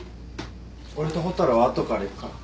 俺と蛍は後から行くから。